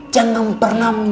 jadi kita harus bersyukur